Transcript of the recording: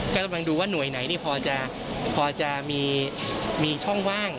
ก็กำลังดูว่าหน่วยไหนพอจะมีช่องว่าง